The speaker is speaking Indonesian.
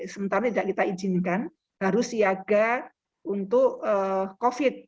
sementara tidak kita izinkan harus siaga untuk covid